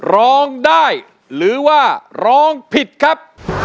ร้องได้หรือว่าร้องผิดครับ